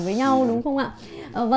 với nhau đúng không ạ